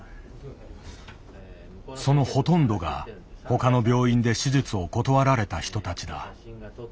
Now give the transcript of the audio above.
そのほとんどが他の病院で手術を断られた人たちだ。